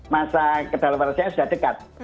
masa kedaluarsanya sudah dekat